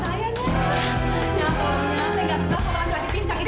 saya nggak pedulikan kalau ada pincang itu